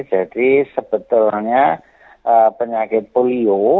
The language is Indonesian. jadi sebetulnya penyakit polio